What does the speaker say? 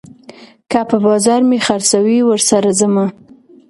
که په بازار مې خرڅوي، ورسره ځمه